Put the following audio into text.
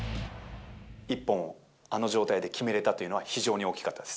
１本あの状態で決めれたというのは非常に大きかったです。